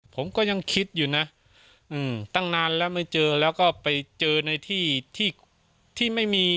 ผมก็ยังคิดอยู่นะตั้งนานแล้วไม่เจอแล้วก็ไปเจอในที่ที่ไม่มี